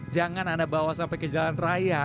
jangan anda bawa sampai ke jalan raya